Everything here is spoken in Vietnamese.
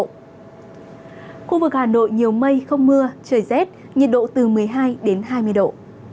khu vực hà nội nhiều mây không mưa trời rét nhiệt độ từ một mươi hai đến hai mươi độ